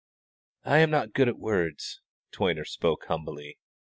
"I am not good at words," Toyner spoke humbly.